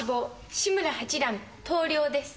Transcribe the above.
志村八段投了です。